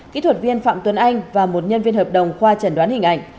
kỹ thuật viên phạm tuấn anh và một nhân viên hợp đồng khoa chẩn đoán hình ảnh